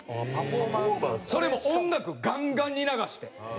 それも音楽ガンガンに流して。